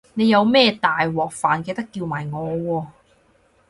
你有咩大鑊飯記得叫埋我喎